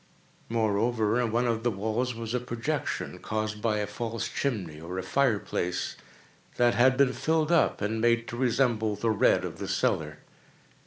Moreover, in one of the walls was a projection, caused by a false chimney, or fireplace, that had been filled up, and made to resemble the red of the cellar.